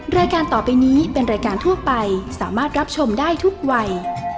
รายการต่อไปนี้เป็นรายการทั่วไปสามารถรับชมได้ทุกวัย